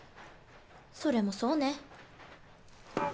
それもそうね。